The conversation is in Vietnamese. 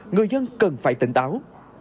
người dân cần phải tỉnh táo